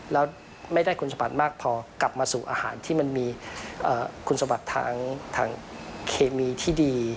แล้วไม่ได้คุณสมบัติมากพอกลับมาสู่อาหารที่มันมีคุณสมบัติทางเคมีที่ดี